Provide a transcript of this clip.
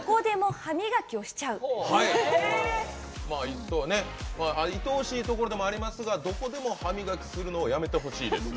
「まあいとおしいところでもありますがどこでも歯磨きするのをやめてほしいです。